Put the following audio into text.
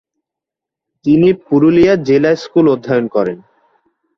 তিনি পুরুলিয়া জেলা স্কুল অধ্যয়ন করেন।